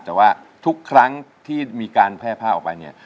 แต่ว่าทุกครั้งที่มีการแพร่ผ้าออกไปเนี่ย